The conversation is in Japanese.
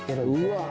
うわ